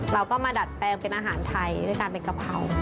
เราก็มาดัดแปลงเป็นอาหารไทยด้วยการเป็นกะเพรา